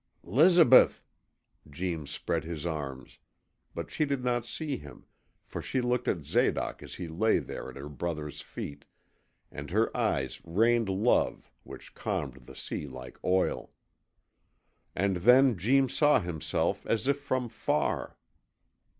''Lizabeth!' Jeems spread his arms; but she did not see him, for she looked at Zadoc as he lay there at her brother's feet, and her eyes rained love, which calmed the sea like oil. And then Jeems saw himself as if from far.